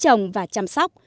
trồng và chăm sóc